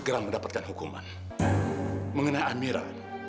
saya tidak tahu apa apa